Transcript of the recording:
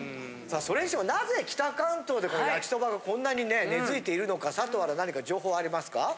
さあそれにしてもなぜ北関東で焼きそばがこんなにね根付いているのか佐藤アナ何か情報ありますか？